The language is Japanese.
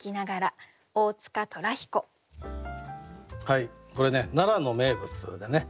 はいこれね奈良の名物でね